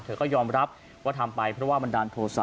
เธอก็ยอมรับว่าทำไปเพราะว่าบันดาลโทษะ